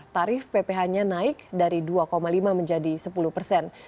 tarif pph nya naik dari dua lima menjadi sepuluh persen